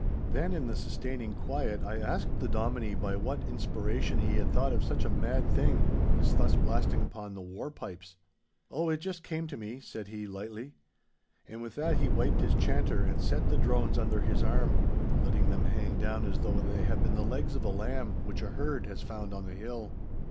Then in the sustaining quiet I asked the Dominie by what inspiration he had thought of such a mad thing as thus blasting upon the war pipes. 'Oh it just came to me!' said he, lightly. And with that he wiped his chanter and set the drones under his arm, letting them hang down as though they had been the legs of a lamb which a herd has found on the hill.